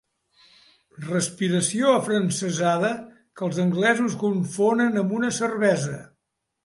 Respiració afrancesada que els anglesos confonen amb la cervesa.